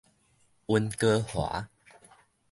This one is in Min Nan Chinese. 溫哥華